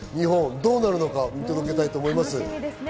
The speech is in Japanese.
どうなるか見届けたいと思います。